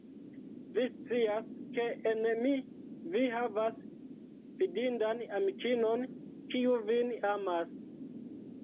Vi scias, ke en mi vi havas fidindan amikinon, kiu vin amas.